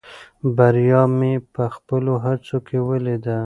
بریا مې په خپلو هڅو کې ولیده.